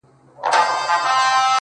• څوک چي له گلاب سره ياري کوي ـ